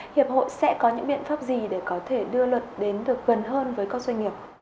hiệp hội sẽ có những biện pháp gì để có thể đưa luật đến được gần hơn với các doanh nghiệp